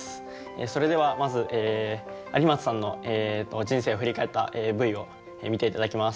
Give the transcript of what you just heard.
それではまず有松さんの人生を振り返ったＶを見て頂きます。